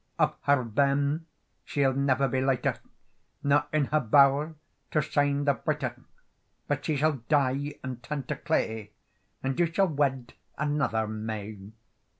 "Of her bairn she's never be lighter, Nor in her bow'r to shine the brighter But she shall die, and turn to clay, And you shall wed another may."